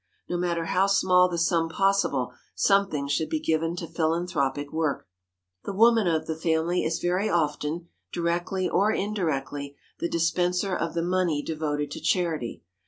No matter how small the sum possible, something should be given to philanthropic work. The woman of the family is very often, directly or indirectly, the dispenser of the money devoted to charity.